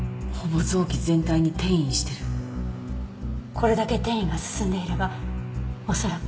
これだけ転移が進んでいれば恐らく。